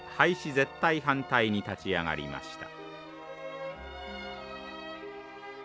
絶対反対に立ち上がりました。